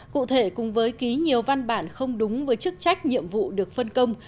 cụ thể cùng với ký nhiều văn bản không đúng với chức trách nhiệm vụ được phân công